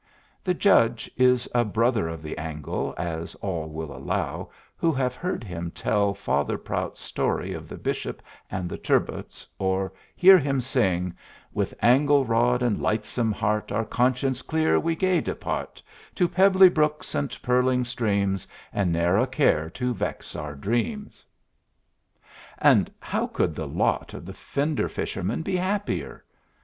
The Judge is "a brother of the angle," as all will allow who have heard him tell Father Prout's story of the bishop and the turbots or heard him sing With angle rod and lightsome heart, Our conscience clear, we gay depart To pebbly brooks and purling streams, And ne'er a care to vex our dreams. And how could the lot of the fender fisherman be happier?